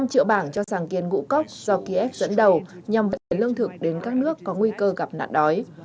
năm triệu bảng cho sàng kiên ngũ cốc do kiev dẫn đầu nhằm vận lương thực đến các nước có nguy cơ gặp nạn đói